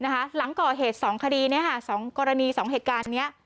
หลังก่อเหตุ๒คดี๒กรณี๒เหตุการณ์นี้